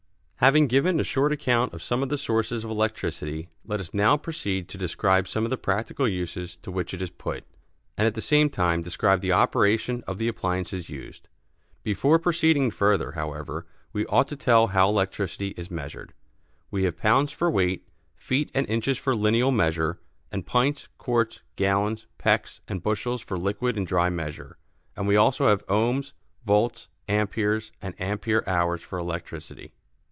Having given a short account of some of the sources of electricity, let us now proceed to describe some of the practical uses to which it is put, and at the same time describe the operation of the appliances used. Before proceeding further, however, we ought to tell how electricity is measured. We have pounds for weight, feet and inches for lineal measure, and pints, quarts, gallons, pecks and bushels for liquid and dry measure, and we also have ohms, volts, ampères and ampère hours for electricity.